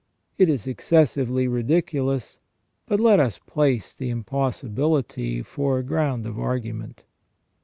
It is excessively ridiculous, but let us place the im possibility for a ground of argument.